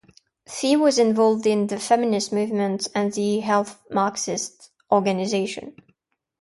Fee was involved in the feminist movement and the Health Marxist Organisation.